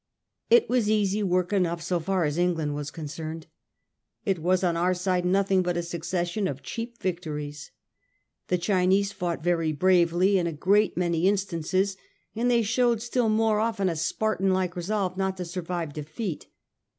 It was easy work enough so far as England was concerned. It was on our side nothing but a succession of cheap victories. The Chinese fought very bravely in a great many in stances ; and they showed still more often a Spartan like resolve not to survive defeat.